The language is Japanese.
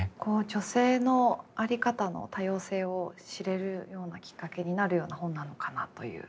女性の在り方の多様性を知れるようなきっかけになるような本なのかなという。